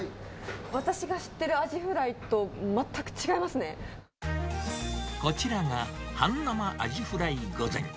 私が知っているアジフライと全くこちらが、半生アジフライ御膳。